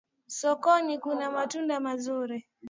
Sokoni kuna matunda mazuri